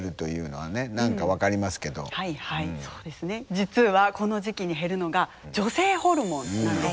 実はこの時期に減るのが女性ホルモンなんですよね。